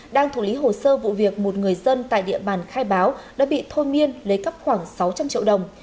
đang thủ lý hồ sơ vụ việc một người dân tại địa bàn khai báo đã bị thôn miên lấy cắp khoảng sáu trăm linh triệu đồng